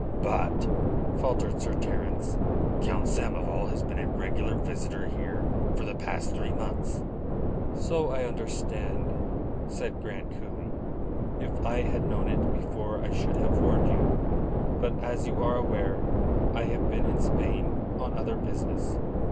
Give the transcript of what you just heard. "But," faltered Sir Terence, "Count Samoval has been a regular visitor here for the past three months." "So I understand," said Grant coolly. "If I had known of it before I should have warned you. But, as you are aware, I have been in Spain on other business.